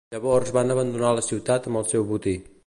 Llavors van abandonar la ciutat amb el seu botí.